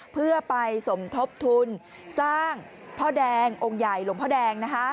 เพื่อไปสมทบทุนสร้างพ่อแดงองค์ใหญ่หลวงพ่อแดง